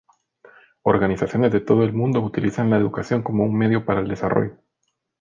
Organizaciones de todo el mundo utilizan la educación como un medio para el desarrollo.